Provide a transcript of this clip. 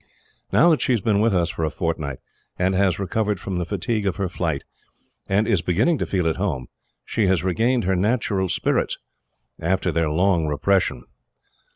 Now that she has been with us for a fortnight, and has recovered from the fatigue of her flight, and is beginning to feel at home, she has regained her natural spirits, after their long repression.